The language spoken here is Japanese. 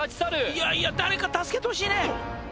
いやいや誰か助けてほしいね